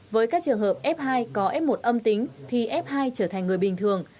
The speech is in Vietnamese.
với các trường hợp f hai có f một âm tính thì f hai trở thành người bình thường